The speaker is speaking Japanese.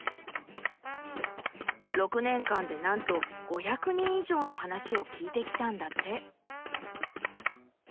６年間でなんと５００人以上の話を聞いてきたんだって。